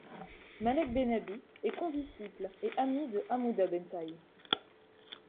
Malek Bennabi est condisciple et ami de Hamouda Bensaï.